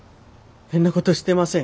変なことしてません。